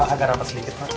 agak rata sedikit foto